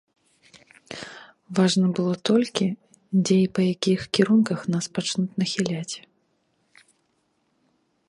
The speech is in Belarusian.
Важна было толькі, дзе і па якіх кірунках нас пачнуць нахіляць.